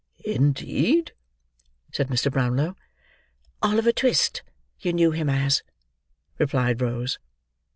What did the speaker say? "Indeed!" said Mr. Brownlow. "Oliver Twist you knew him as," replied Rose.